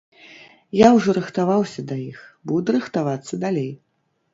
Я ўжо рыхтаваўся да іх, буду рыхтавацца далей.